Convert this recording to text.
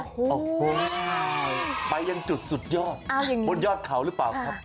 โอ้โหไปยังจุดสุดยอดบนยอดเขาหรือเปล่าครับ